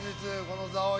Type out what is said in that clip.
この「座王」